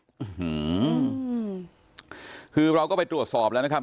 อืมคือเราก็ไปตรวจสอบแล้วนะครับ